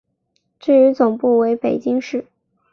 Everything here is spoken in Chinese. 至于总部为北京市。